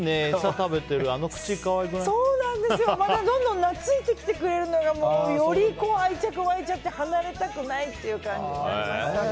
どんどん懐いてきてくれるのでより愛着が湧いちゃって離れたくないって感じで。